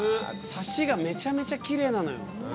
サシがめちゃめちゃキレイなのよ。